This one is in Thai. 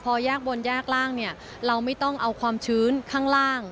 พอแยกบนแยกล่างเนี่ยเราไม่ต้องเอาความชื้นข้างล่าง